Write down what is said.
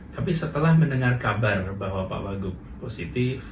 tapi setelah mendengar kabar bahwa pak wakil gubernur positif